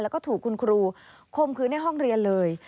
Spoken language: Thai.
แล้วก็ถูกคุณครูคมคืนในห้องเรียนเลย